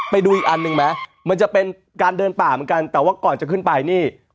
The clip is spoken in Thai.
ไปดูอีกอันหนึ่งไหมมันจะเป็นการเดินป่าเหมือนกันแต่ว่าก่อนจะขึ้นไปนี่